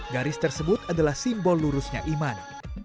garis tersebut adalah simbol lurusnya iman